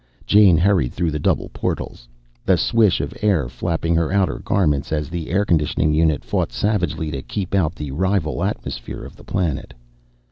Jane hurried through the double portals, the swish of air flapping her outer garments as the air conditioning unit fought savagely to keep out the rival atmosphere of the planet.